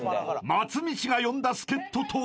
［松道が呼んだ助っ人とは？］